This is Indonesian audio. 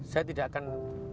saya tidak akan